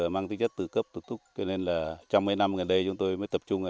mang tích chất tự cấp tự túc cho nên trong mấy năm gần đây chúng tôi mới tập trung